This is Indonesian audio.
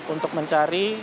untuk mencari penyelidikan